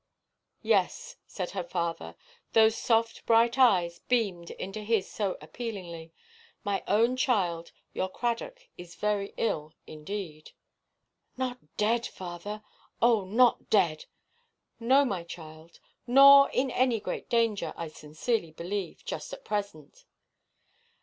"Yes," said her father, those soft bright eyes beamed into his so appealingly; "my own child, your Cradock is very ill indeed." "Not dead, father? Oh, not dead?" "No, my child; nor in any great danger, I sincerely believe, just at present."